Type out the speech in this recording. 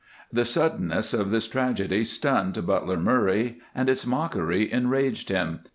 The suddenness of this tragedy stunned Butler Murray and its mockery enraged him.